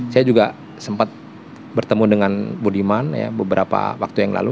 saya juga sempat bertemu dengan budiman beberapa waktu yang lalu